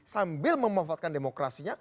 sambil memanfaatkan demokrasinya